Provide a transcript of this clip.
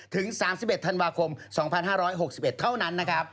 ถึง๓๑ธันวาคม๒๕๖๑เท่านั้นนะครับ